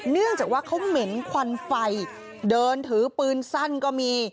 เนื่องจากว่าเขาเหม็นควันไฟเดินถือปืนสั้นก็มี